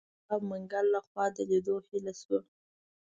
د ګلاب منګل لخوا د لیدو هیله شوه.